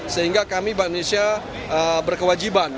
sehingga kami bank indonesia berkewajiban